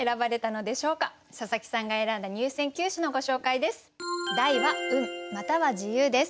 佐佐木さんが選んだ入選九首のご紹介です。